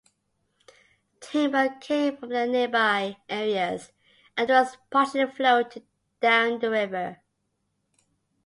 Timber came from the nearby areas and was partially floated down the river.